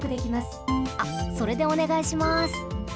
あっそれでおねがいします。